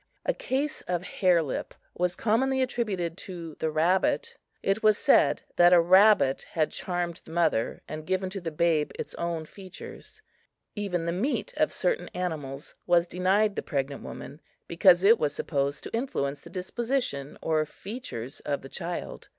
A case of hare lip was commonly attributed to the rabbit. It was said that a rabbit had charmed the mother and given to the babe its own features. Even the meat of certain animals was denied the pregnant woman, because it was supposed to influence the disposition or features of the child.